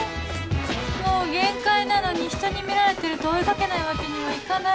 もう限界なのにひとに見られてると追い掛けないわけにはいかない